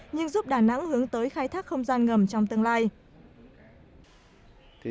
nhưng giúp đà nẵng hướng tới khai thác không gian ngầm trong tương lai